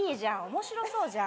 面白そうじゃん。